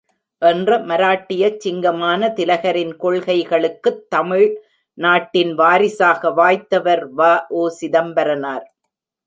என்ற மராட்டியச் சிங்கமான திலகரின் கொள்கைகளுக்குத் தமிழ் நாட்டின் வாரிசாக வாய்த்தவர் வ.உ.சிதம்பரனார்!